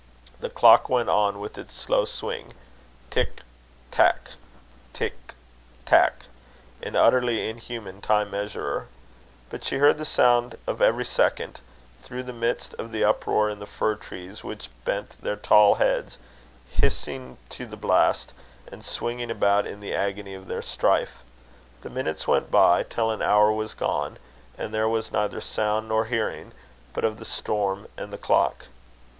The clock went on with its slow swing, tic tac, tic tac, an utterly inhuman time measurer; but she heard the sound of every second, through the midst of the uproar in the fir trees, which bent their tall heads hissing to the blast, and swinging about in the agony of their strife. The minutes went by, till an hour was gone, and there was neither sound nor hearing, but of the storm and the clock.